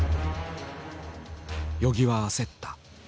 与儀は焦った。